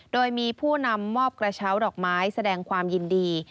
โดยมีผู้นำมอบกระเช้าดอกไม้แสดงความยินดี